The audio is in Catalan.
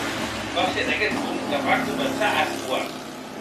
Va ser en aquest punt que va començar a actuar.